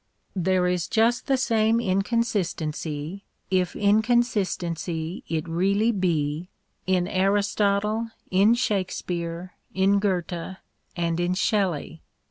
There is just the same inconsistency, if incon sistency it really be, in Aristotle, in Shakespeare, in Goethe, and in Shelley.